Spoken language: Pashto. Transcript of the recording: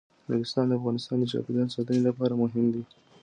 نورستان د افغانستان د چاپیریال ساتنې لپاره مهم دي.